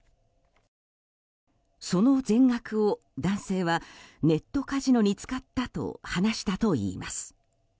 その全額を男性はネットカジノに使ったと話したといいます。